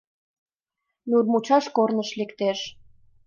Нурмучаш корныш лектеш.